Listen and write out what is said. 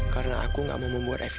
karena aku gak mau membuat evita sedih